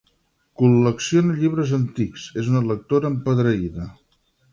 Col·lecciona llibres antics, és una lectora empedreïda.